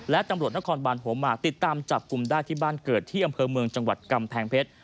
และตำรวจนครบานหัวหมากติดตามจับกลุ่มได้ที่บ้านเกิดที่อำเภอเมืองจังหวัดกำแพงเพชร